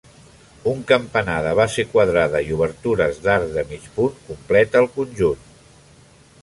Un campanar de base quadrada i obertures d'arc de mig punt completa el conjunt.